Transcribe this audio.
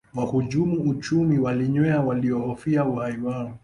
wahujumu uchumi walinywea walihofia uhai wao